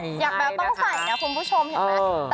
อยากแบ๊วต้องใส่นะคุณผู้ชมเห็นไหม